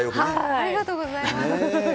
ありがとうございます。